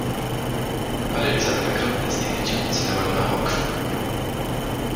Ale Liza parokrotnie z niechęcią odsunęła go na bok.